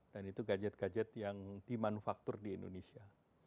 dan itu gadget gadget yang dimanufaktur di indonesia